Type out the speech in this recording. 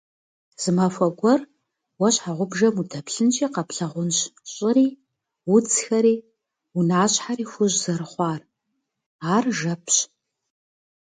Зы махуэ гуэр уэ щхьэгъубжэм удэплъынщи къэплъагъунщ щӏыри, удзхэри, унащхьэри хужь зэрыхъуар, ар жэпщ.